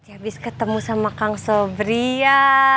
habis ketemu sama kang sobria